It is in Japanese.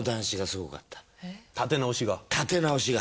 立て直しが。